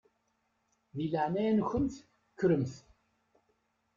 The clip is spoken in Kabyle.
Di leɛnaya-nkent kkremt.